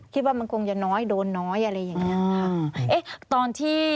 คิดว่ามันคงจะน้อยโดนน้อยอะไรอย่างนี้